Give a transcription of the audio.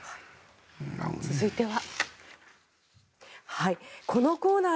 続いては。